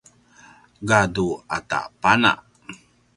gadu ata pana